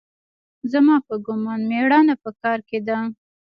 زما په ګومان مېړانه په کار کښې ده.